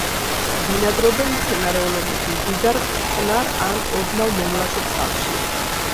ბინადრობენ მცენარეულობით მდიდარ მტკნარ ან ოდნავ მომლაშო წყალში.